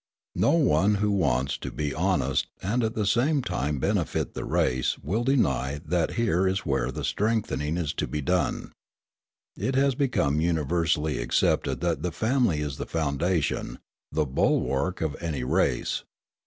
No one who wants to be honest and at the same time benefit the race will deny that here is where the strengthening is to be done. It has become universally accepted that the family is the foundation, the bulwark, of any race.